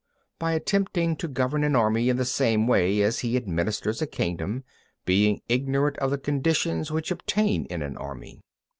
(2) By attempting to govern an army in the same way as he administers a kingdom, being ignorant of the conditions which obtain in an army.